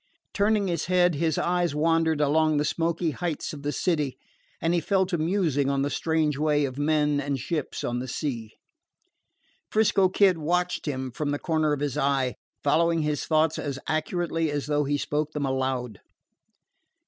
Turning his head, his eyes wandered along the smoky heights of the city, and he fell to musing on the strange way of men and ships on the sea. 'Frisco Kid watched him from the corner of his eye, following his thoughts as accurately as though he spoke them aloud.